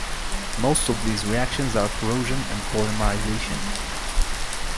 Most of these reactions are corrosion and polymerization.